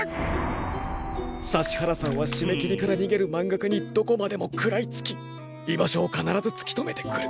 指原さんはしめきりからにげるまんがかにどこまでも食らいつき居場所を必ずつきとめてくる。